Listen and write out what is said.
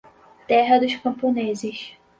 terra dos camponeses